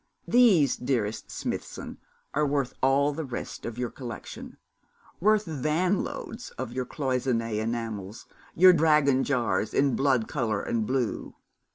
'These, dearest Smithson, are worth all the rest of your collection; worth vanloads of your cloisonné enamels, your dragon jars in blood colour and blue.